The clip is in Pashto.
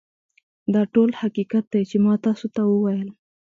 دا ټول حقیقت دی چې ما تاسو ته وویل